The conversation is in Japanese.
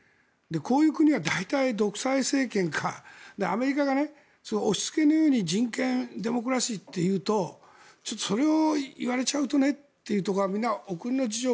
こういう国は、大体独裁政権かアメリカが押しつけのように人権デモクラシーと言うとそれを言われちゃうとねというところがみんなお国の事情。